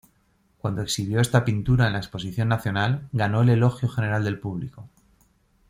Cuando exhibió esta pintura en la exposición nacional, ganó el elogio general del público.